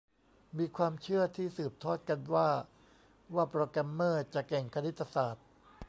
มีความเชื่อที่สืบทอดกันว่าว่าโปรแกรมเมอร์จะเก่งคณิตศาสตร์